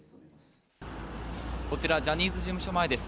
こちらジャニーズ事務所前です。